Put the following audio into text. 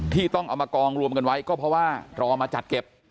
ที่ต้องเอามากองรวมกันไว้ก็เพราะว่ารอมาจัดเก็บ